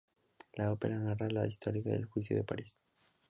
La ópera narra la historia del Juicio de Paris.